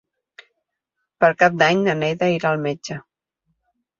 Per Cap d'Any na Neida irà al metge.